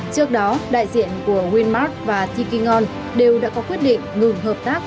trước đó đại diện của winmart và tiki ngon đều đã có quyết định ngừng hợp tác